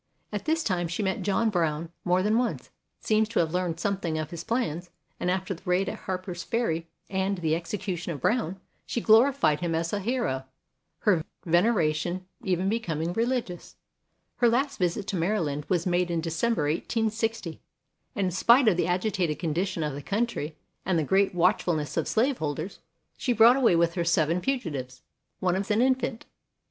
At this time she met John Brown more than once, seems to have learned something of his plans, and after the raid at Harper's Ferry and the execution of Brown she glorified him as a hero, her veneration even becoming religious. Her last visit to Maryland was made in December, 1860, and in spite of the agitated condition of the country and the great watchfulness of slaveholders she brought away with her seven fugitives, one of them an infant.